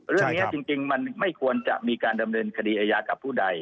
เรื่องนี้จริงมันไม่ควรจะมีการดำเนินคดีอายากับผู้ใด